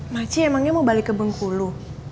makci emangnya mau balik ke bengkulu